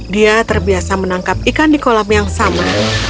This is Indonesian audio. dia terbiasa menangkap ikan di kolam yang sama